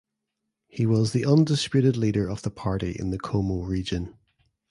He was the undisputed leader of the party in the Como region.